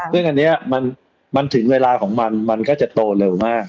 ซึ่งอันนี้มันถึงเวลาของมันมันก็จะโตเร็วมาก